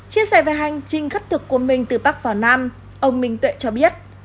chia sẻ về hành trình khất thực của mình từ bắc vào nam ông minh tuệ cho biết